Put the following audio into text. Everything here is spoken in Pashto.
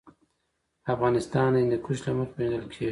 افغانستان د هندوکش له مخې پېژندل کېږي.